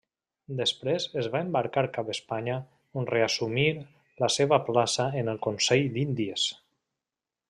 Després es va embarcar cap Espanya on reassumir la seva plaça en el Consell d'Índies.